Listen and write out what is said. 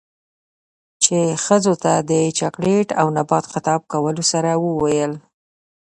،چـې ښـځـو تـه د چـاکـليـت او نـبات خـطاب کـولـو سـره وويل.